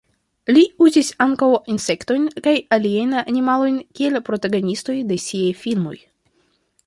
Li uzis ankaŭ insektojn kaj aliajn animalojn kiel protagonistoj de siaj filmoj.